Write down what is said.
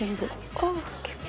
あっ結構。